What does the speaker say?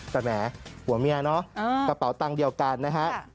แต่แหมผัวเมียเนอะกระเป๋าตังค์เดียวกันนะฮะ